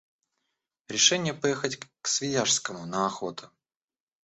Решение поехать к Свияжскому на охоту.